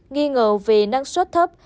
nghi ngờ về năng suất thấp